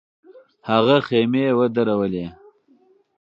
هغه خېمې ودرولې.